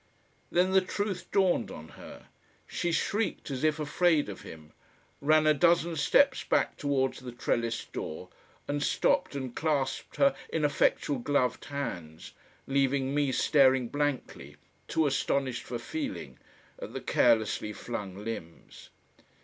Then the truth dawned on her, she shrieked as if afraid of him, ran a dozen steps back towards the trellis door and stopped and clasped her ineffectual gloved hands, leaving me staring blankly, too astonished for feeling, at the carelessly flung limbs.